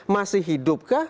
masih hidup kah